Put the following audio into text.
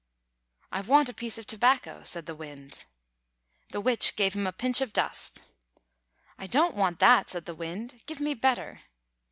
"I want a piece of tobacco," said the Wind. The Witch gave him a pinch of dust. "I don't want that," said the Wind. "Give me better."